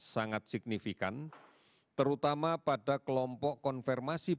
sangat signifikan terutama pada kelompok konfirmasi